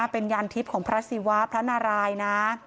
เป็นยานทิพย์ของพระศิวะพระนารายนะ